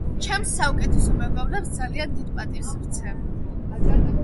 ჩემს საუკეთესო მეგობრებს ძალიან დიდ პატივს ვცემ